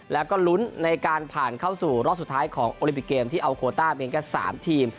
แล้วก็ลุ้นในการผ่านเข้าสู่รอบสุดท้ายของโอลิปิกเกมที่เอาโคต้าเพียงแค่๓ทีม